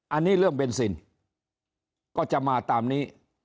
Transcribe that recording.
อันนี้เรื่องเบนซินก็จะมาตามนี้